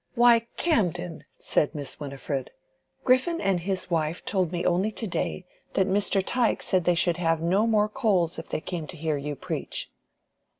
"Why, Camden!" said Miss Winifred, "Griffin and his wife told me only to day, that Mr. Tyke said they should have no more coals if they came to hear you preach."